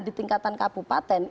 di tingkatan kabupaten